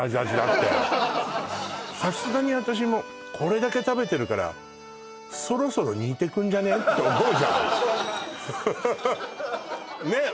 さすがに私もこれだけ食べてるからそろそろ似てくんじゃね？って思うじゃんフッフッフねっ？